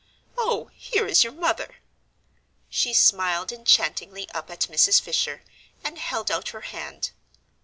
Oh, here is your mother." She smiled enchantingly up at Mrs. Fisher, and held out her hand.